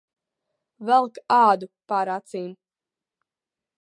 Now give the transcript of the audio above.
Velk ādu pār acīm.